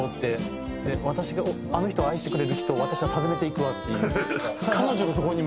私が「あのひとを愛してくれる女」を「私はたずねてゆくわ」っていう。